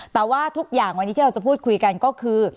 แต่ว่าทุกอย่างวันนี้ที่เราจะพูดคุยกันก็คือ